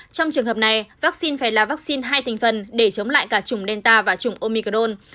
trong trường hợp này vaccine phải là vaccine hai thành phần để chống lại cả chủng delta và chủng omicron